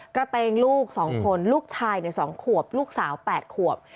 กระเตงลูกสองคนลูกชายเนี่ยสองขวบลูกสาวแปดขวบ